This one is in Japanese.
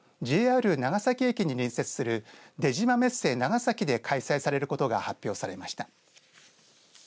ＪＲ長崎駅に隣接する出島メッセ長崎で開催されることが発表されました。